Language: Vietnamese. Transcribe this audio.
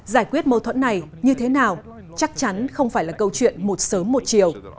giải quyết mâu thuẫn này như thế nào chắc chắn không phải là câu chuyện một sớm một chiều